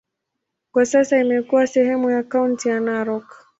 Kwa sasa imekuwa sehemu ya kaunti ya Narok.